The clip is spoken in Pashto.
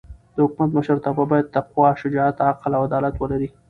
د حکومت مشرتابه باید تقوا، شجاعت، عقل او عدالت ولري.